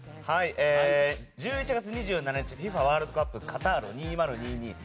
１１月２７日ＦＩＦＡワールドカップカタール２０２２。